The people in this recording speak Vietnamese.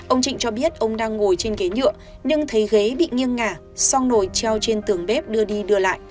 ông trịnh cho biết ông đang ngồi trên ghế nhựa nhưng thấy ghế bị nghiêng ngả xong nổi treo trên tường bếp đưa đi đưa lại